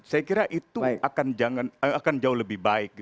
saya kira itu akan jauh lebih baik